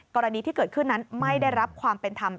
กรณีที่เกิดขึ้นนั้นไม่ได้รับความเป็นธรรม